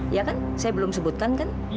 ya kan saya belum sebutkan kan